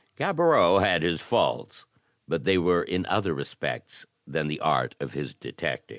Gaboriau had his faults, but they were in other re spects than the art of his detective.